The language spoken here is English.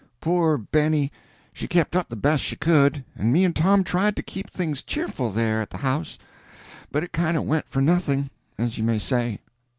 Poor Benny, she kept up the best she could, and me and Tom tried to keep things cheerful there at the house, but it kind of went for nothing, as you may say.